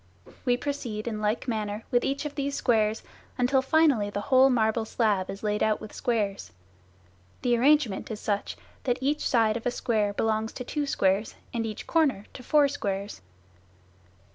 We proceed in like manner with each of these squares until finally the whole marble slab is laid out with squares. The arrangement is such, that each side of a square belongs to two squares and each corner to four squares.